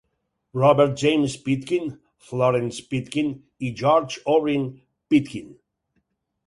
Robert James Pitkin, Florence Pitkin i George Orrin Pitkin.